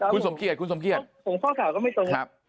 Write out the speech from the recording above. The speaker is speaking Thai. คุณสมเกียจคุณสมเกียจผมข้อข่าวก็ไม่ตรงครับ